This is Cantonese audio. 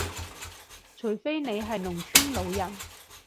除非你係農村老人